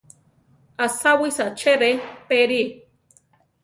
¿Asáwisa che rʼe perí?